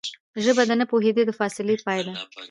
ژبه د نه پوهېدو د فاصلې پای ده